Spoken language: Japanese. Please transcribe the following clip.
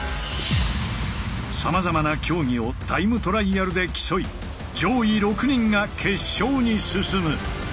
さまざまな競技をタイムトライアルで競い上位６人が決勝に進む。